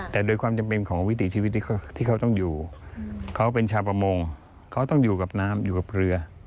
แต่โดยความจำเป็นของวิถีชีวิตที่เขาต้องอยู่เขาเป็นชาวประมงเขาต้องอยู่กับน้ำอยู่กับเรือ